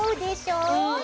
うん。